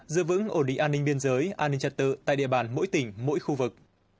giữ vững ổn định an ninh biên giới an ninh trật tự tại địa bàn mỗi tỉnh mỗi khu vực